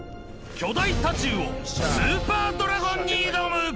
巨大タチウオスーパードラゴンに挑む！